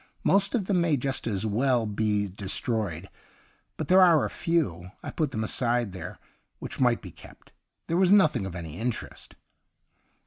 Most of them may just as Avell be destroyed ; but there are a few — I put them aside there — which might be kept. There was nothing of any interest.'